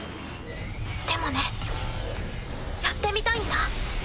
でもねやってみたいんだ。